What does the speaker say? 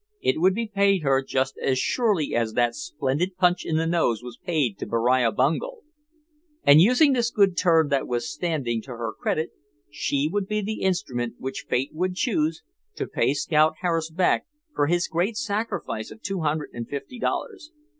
It would be paid her just as surely as that splendid punch in the nose was paid to Beriah Bungel. And, using this good turn that was standing to her credit, she would be the instrument which fate would choose, to pay Scout Harris back for his great sacrifice of two hundred and fifty dollars.